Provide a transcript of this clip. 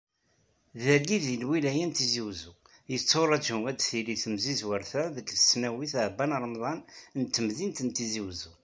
Dagi di lwilaya n Tizi Uzzu, yetturaǧu ad tili temsizwert-a deg tesnawit Ɛebban Remḍan n temdint n Tizi Uzzu.